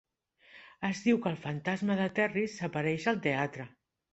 Es diu que el fantasma de Terris s'apareix al teatre.